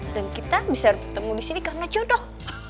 dan kita bisa bertemu di sini karena jodoh